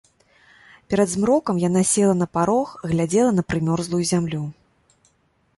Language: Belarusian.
Перад змрокам яна села на парог, глядзела на прымёрзлую зямлю.